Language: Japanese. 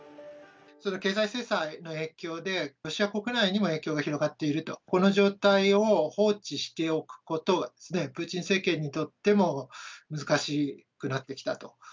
経済制裁の影響でロシア国内にも影響が広がっていると、この状態を放置しておくことは、プーチン政権にとっても難しくなってきたと。